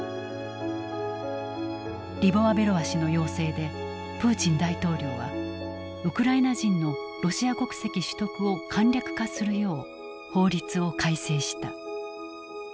リボワベロワ氏の要請でプーチン大統領はウクライナ人のロシア国籍取得を簡略化するよう法律を改正した。